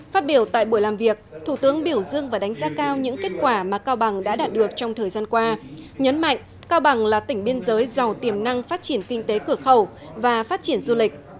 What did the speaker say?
phát biểu tại buổi làm việc thủ tướng biểu dương và đánh giá cao những kết quả mà cao bằng đã đạt được trong thời gian qua nhấn mạnh cao bằng là tỉnh biên giới giàu tiềm năng phát triển kinh tế cửa khẩu và phát triển du lịch